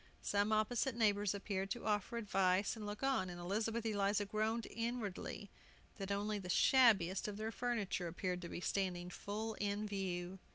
Some opposite neighbors appeared to offer advice and look on, and Elizabeth Eliza groaned inwardly that only the shabbiest of their furniture appeared to be standing full in view.